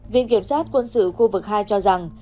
viện kiểm sát quân sự khu vực hai cho rằng